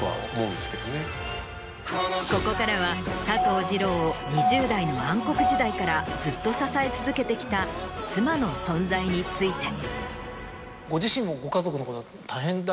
ここからは佐藤二朗を２０代の暗黒時代からずっと支え続けてきた妻の存在について。